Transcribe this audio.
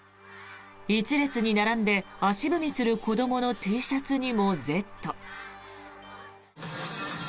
１列に並んで足踏みする子どものＴシャツにも「Ｚ」。